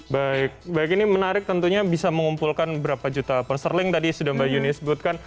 baik baik ini menarik tentunya bisa mengumpulkan berapa juta pound sterling tadi sudah mbak yuni sebutkan